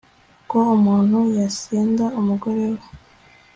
ko umuntu yasenda umugore we